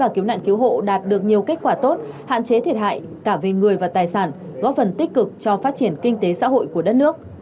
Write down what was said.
và cứu nạn cứu hộ đạt được nhiều kết quả tốt hạn chế thiệt hại cả về người và tài sản góp phần tích cực cho phát triển kinh tế xã hội của đất nước